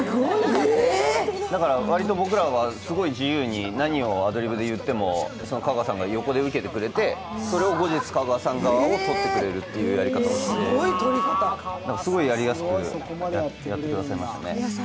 割と僕らはすごい自由に、何をアドリブで言っても香川さんが横で受けてくれて、それを後日、香川さん側を撮ってくれるという、すごいやりやすくやってくださいましたね。